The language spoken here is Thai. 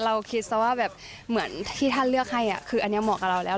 เราคิดซะว่าแบบเหมือนที่ท่านเลือกให้คืออันนี้เหมาะกับเราแล้ว